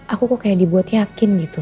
aku kok kayak dibuat yakin gitu